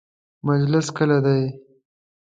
مجلس کله دی؟